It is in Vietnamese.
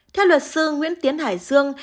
theo luật sư nguyễn tiến hải dương